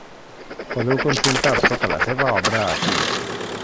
Podeu consultar tota la seva obra aquí.